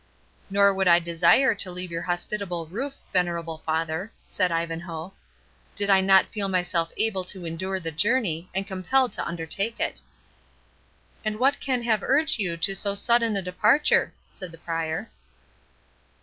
"Nor would I desire to leave your hospitable roof, venerable father," said Ivanhoe, "did I not feel myself able to endure the journey, and compelled to undertake it." "And what can have urged you to so sudden a departure?" said the Prior.